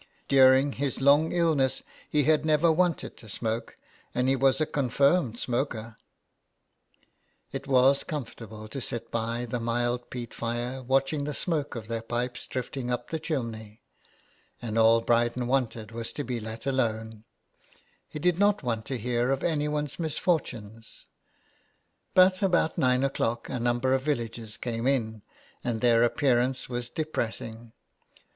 During his long illness he had never wanted to smoke, and he was a confirmed smoker. It was comfortable to sit by the mild peat fire watching the smoke of their pipes drifting up the chimney, and all Bryden wanted was to be let alone ; he did not want to hear of anyone's misfortunes, but about nine o'clock a number of villagers came in, and their appearance was depressing.